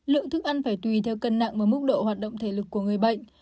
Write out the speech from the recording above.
lượng thức ăn phải tùy theo cân nặng và mức độ hoạt động thể lực của người bệnh